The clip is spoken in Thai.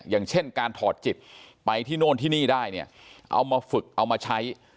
อย่างเช่นการถอดจิตไปที่โน่นที่นี่ได้เนี่ยเอามาฝึกเอามาใช้